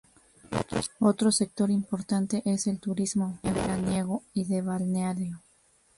Otro sector importante es el turismo veraniego y de balneario.